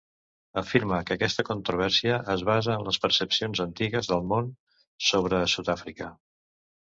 Afirma que aquesta controvèrsia es basa en les percepcions antigues del món sobre Sud-àfrica.